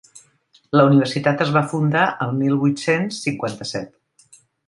La universitat es va fundar el mil vuit-cents cinquanta-set.